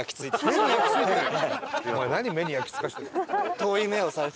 お前何目に焼き付かせてるんだよ。